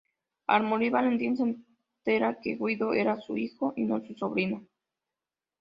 Al morir, Valentín se entera que Guido era su hijo y no su sobrino.